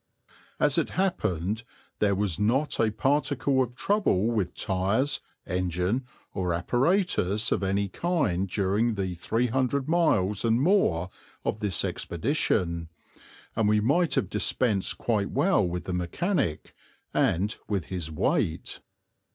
As it happened there was not a particle of trouble with tires, engine, or apparatus of any kind during the 300 miles and more of this expedition, and we might have dispensed quite well with the mechanic, and with his weight.